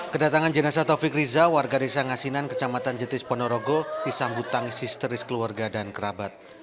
kedatangan jenazah taufik riza warga desa ngasinan kecamatan jetis ponorogo disambut tangis histeris keluarga dan kerabat